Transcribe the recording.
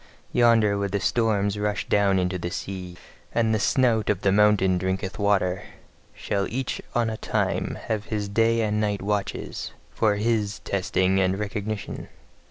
Yonder where the storms rush down into the sea, and the snout of the mountain drinketh water, shall each on a time have his day and night watches, for HIS testing and recognition.